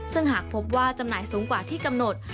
ซึ่งหากพบว่าจำหน่ายสูงกว่าที่กำหนด